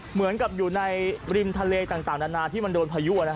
เหมือนกับอยู่ในริมทะเลต่างนานาที่มันโดนพายุ